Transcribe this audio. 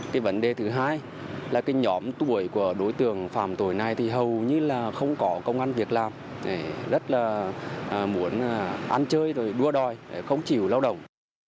cái vấn đề thứ hai là cái nhóm tuổi của đối tượng phạm tội này thì hầu như là không có công an việc làm rất là muốn ăn chơi rồi đua đòi không chịu lao động